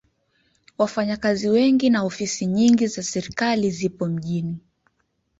Wafanyakazi wengi na ofisi nyingi za serikali zipo mjini.